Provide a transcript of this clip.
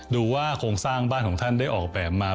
ดูว่าโครงสร้างบ้านของท่านได้ออกแบบมา